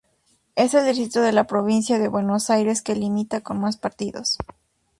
Es el distrito de la provincia de Buenos Aires que limita con más partidos.